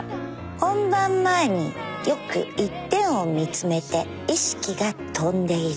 本番前によく１点を見つめて意識が飛んでいる。